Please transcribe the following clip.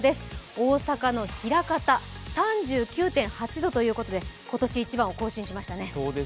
大阪の枚方、３９．８度ということで今年一番を更新しましたね。